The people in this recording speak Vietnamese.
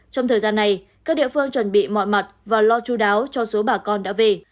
trong thời gian này các địa phương chuẩn bị mọi mặt và lo chú đáo cho số bà con đã về